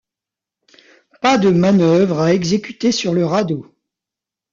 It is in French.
Pas de manœuvres à exécuter sur le radeau.